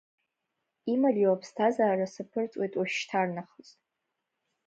Имариоу аԥсҭазаара саԥырҵуеит уажәшьҭарнахыс…